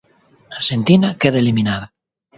Arxentina queda eliminada.